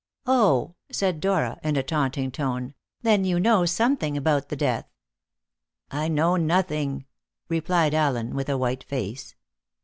"Oh!" said Dora in a taunting tone; "then you know something about the death." "I know nothing," replied Allen, with a white face.